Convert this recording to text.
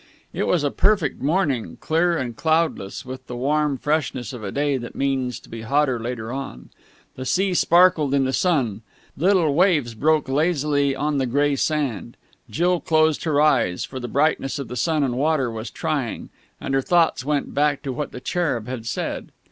It was a perfect morning, clear and cloudless, with the warm freshness of a day that means to be hotter later on. The sea sparkled in the sun. Little waves broke lazily on the grey sand. Jill closed her eyes, for the brightness of sun and water was trying; and her thoughts went back to what the Cherub had said.